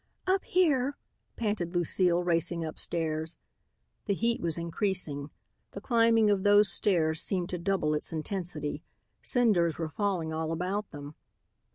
"Up here," panted Lucile, racing upstairs. The heat was increasing. The climbing of those stairs seemed to double its intensity. Cinders were falling all about them.